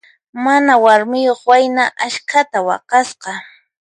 Mana warmiyuq wayna askhata waqasqa.